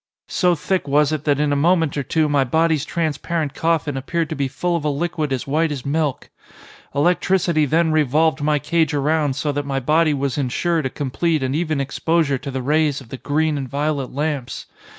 So thick was it that in a moment or two my body's transparent coffin appeared to be full of a liquid as white as milk. Electricity then revolved my cage around so that my body was insured a complete and even exposure to the rays of the green and violet lamps.